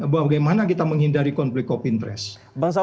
bagaimana kita menghindari konflik of interest